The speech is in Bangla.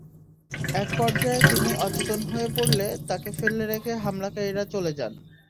একপর্যায়ে তিনি অচেতন হয়ে পড়লে তাঁকে ফেলে রেখে হামলাকারীরা চলে যান।